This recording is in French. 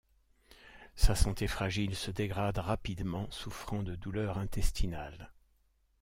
Sa santé fragile se dégrade rapidement, souffrant de douleurs intestinales.